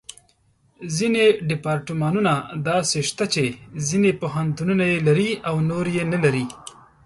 ځینې ډیپارټمنټونه داسې شته چې ځینې پوهنتونونه یې لري او نور یې نه لري.